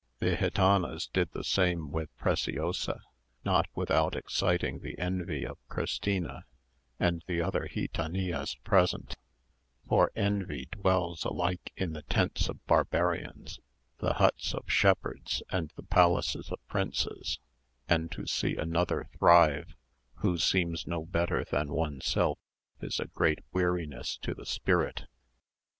The gitanas did the same with Preciosa, not without exciting the envy of Christina, and the other gitanillas present; for envy dwells alike in the tents of barbarians, the huts of shepherds, and the palaces of princes; and to see another thrive who seems no better than oneself is a great weariness to the spirit.